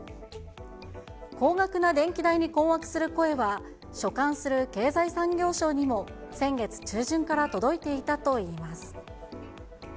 高額な電気代に困惑する声は所管する経済産業省にも、先月中旬から届いていたといいます。